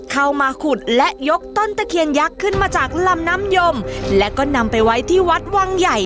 เข้ามาขุดและยกต้นตะเคียนยักษ์ขึ้นมาจากลำน้ำยมและก็นำไปไว้ที่วัดวังใหญ่